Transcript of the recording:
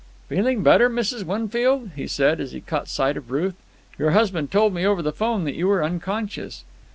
"Feeling better, Mrs. Winfield?" he said, as he caught sight of Ruth. "Your husband told me over the 'phone that you were unconscious."